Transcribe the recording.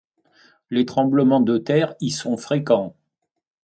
Les tremblements de terre y sont fréquents.